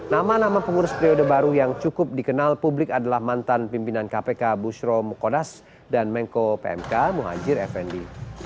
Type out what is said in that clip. nama nama pengurus periode baru yang cukup dikenal publik adalah mantan pimpinan kpk bushro mukodas dan mengko pmk muhajir effendi